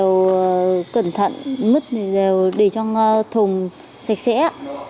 những cái hàng như thế này thì có giấy tờ như thế nào